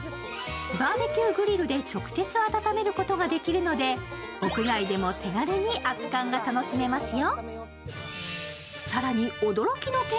バーベキューグリルで直接温めることができるので屋外でも手軽に熱かんが楽しめますよ。